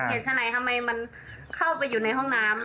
ทนายทำไมมันเข้าไปอยู่ในห้องน้ำ